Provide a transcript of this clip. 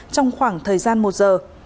trong khoảng một người